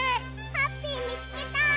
ハッピーみつけた！